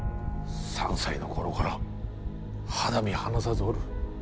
３歳の頃から肌身離さずおる。